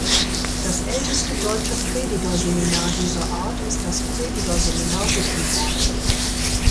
Das älteste deutsche Predigerseminar dieser Art ist das Predigerseminar Wittenberg.